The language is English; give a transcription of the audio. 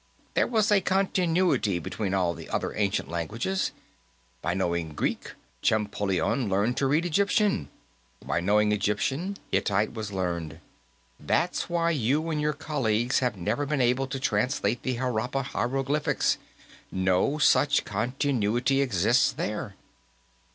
There was a continuity between all the other ancient languages by knowing Greek, Champollion learned to read Egyptian; by knowing Egyptian, Hittite was learned. That's why you and your colleagues have never been able to translate the Harappa hieroglyphics; no such continuity exists there.